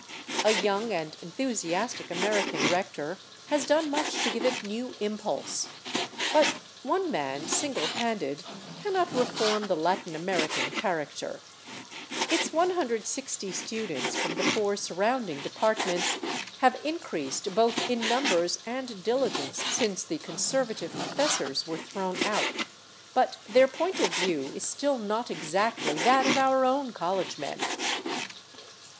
A young and enthusiastic American rector has done much to give it new impulse ; but one man single handed cannot reform the Latin American character. Its i6o students from the four surrounding departments have increased both in numbers and diligence since the " conservative " prof essors were thrown out, but their point of view is still not exactly that of our own c»ll^e men.